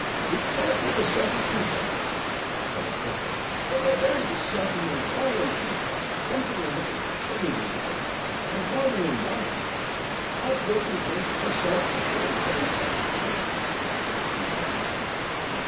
"It might be a sudden toothache," said the porter, "a very sudden and violent toothache, jumping on him suddenly like and driving him wild. I've broken things myself before now in such a case..." He thought.